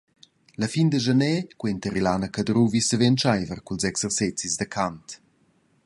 La fin da schaner quenta Rilana Cadruvi saver entscheiver culs exercezis da cant.